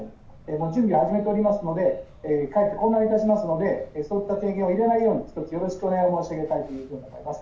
もう準備を始めておりますので、かえって混乱いたしますので、そういった提言を入れないように、一つよろしくお願い申し上げたいと思います。